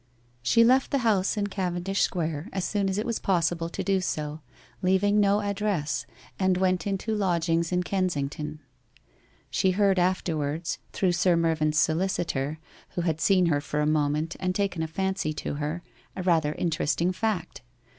She left the house in Cavendish Square as soon as it was possible to do so, leaving no address, and went into lodg ings in Kensington. She heard afterwards, through Sir Mervyn's solicitor, who had seen her for a moment and taken a fancy to her, a rather interesting fact.